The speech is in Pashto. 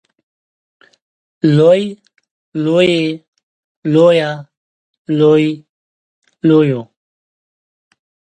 لوی لویې لويه لوې لويو